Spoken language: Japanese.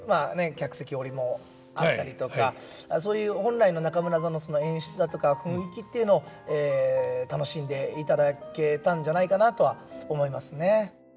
客席下りもあったりとかそういう本来の中村座の演出だとか雰囲気っていうのを楽しんでいただけたんじゃないかなとは思いますね。